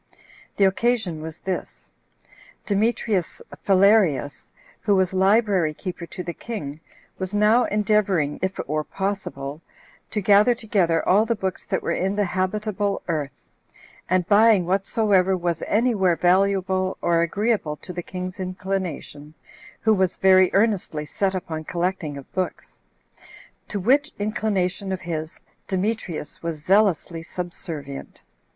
The occasion was this: Demetrius Phalerius, who was library keeper to the king, was now endeavoring, if it were possible, to gather together all the books that were in the habitable earth, and buying whatsoever was any where valuable, or agreeable to the king's inclination, [who was very earnestly set upon collecting of books,] to which inclination of his Demetrius was zealously subservient.